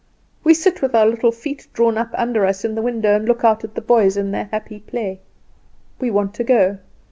We sit with our little feet drawn up under us in the window, and look out at the boys in their happy play. We want to go.